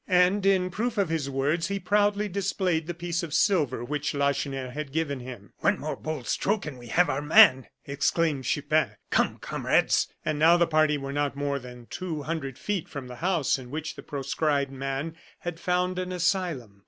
And in proof of his words, he proudly displayed the piece of silver which Lacheneur had given him. "One more bold stroke and we have our man!" exclaimed Chupin. "Come, comrades!" And now the party were not more than two hundred feet from the house in which the proscribed man had found an asylum.